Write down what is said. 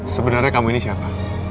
sebenarnya kamu ini siapa